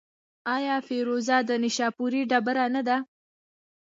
آیا فیروزه د نیشاپور ډبره نه ده؟